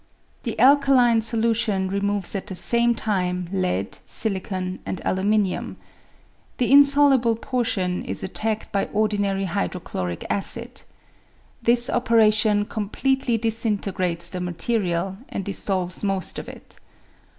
The alkaline solution removes at the same time lead, silicon, and aluminium. The insoluble portion is attacked by ordinary hydrochloric acid. This operation completely disintegrates the material, and dissolves most of it.